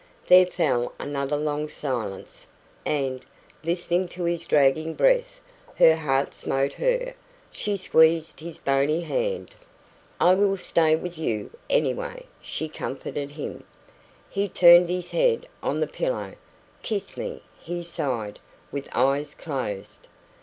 There fell another long silence, and, listening to his dragging breath, her heart smote her. She squeezed his bony hand. "I will stay with you, anyway," she comforted him. He turned his head on the pillow. "Kiss me," he sighed, with eyes closed.